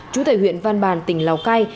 chú tại huyện văn bàn tỉnh lào cai